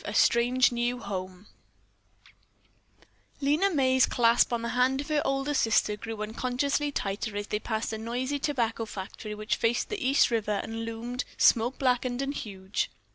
A STRANGE NEW HOME Lena May's clasp on the hand of her older sister grew unconsciously tighter as they passed a noisy tobacco factory which faced the East River and loomed, smoke blackened and huge.